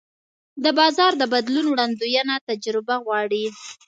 د بازار د بدلون وړاندوینه تجربه غواړي.